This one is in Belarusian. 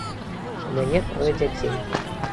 У мяне трое дзяцей.